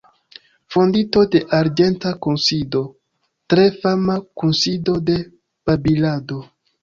Fondinto de „Arĝenta Kunsido";, tre fama kunsido de babilado.